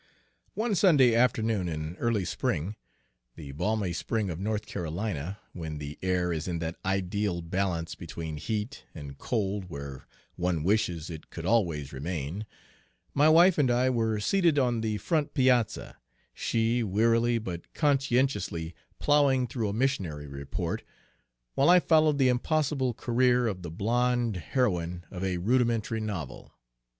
One Sunday afternoon in early spring, Page 104 the balmy spring of North Carolina, when the air is in that ideal balance between heat and cold where one wishes it could always remain, my wife and I were seated on the front piazza, she wearily but conscientiously ploughing through a missionary report, while I followed the impossible career of the blonde heroine of a rudimentary novel.